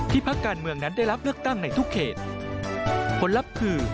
พักการเมืองนั้นได้รับเลือกตั้งในทุกเขตผลลัพธ์คือ